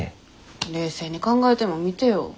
冷静に考えてもみてよ。